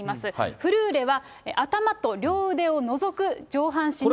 フルーレは頭と両腕を除く上半身の突き。